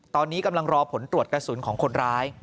ตอนนี้กำลังรอผลตรวจกระสุนของคนร้าย